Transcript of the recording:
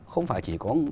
không phải chỉ có